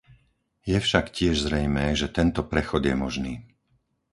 Je však tiež zrejmé, že tento prechod je možný.